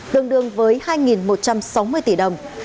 đường đường với hai một trăm sáu mươi tỷ đồng